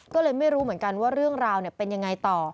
ก็เลยไม่รู้เหมือนกันว่าเรื่องราวเป็นยังไงต่อ